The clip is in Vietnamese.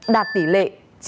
đạt tỷ lệ chín mươi ba một